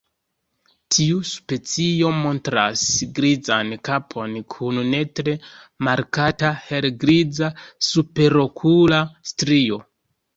Tiu specio montras grizan kapon kun ne tre markata helgriza superokula strio.